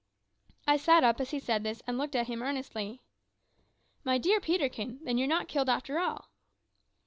I sat up as he said this, and looked at him earnestly. "My dear Peterkin, then you're not killed after all."